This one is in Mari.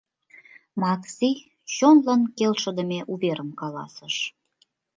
Макси чонлан келшыдыме уверым каласыш.